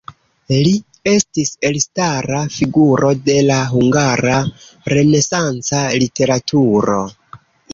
Li estis elstara figuro de la hungara renesanca literaturo.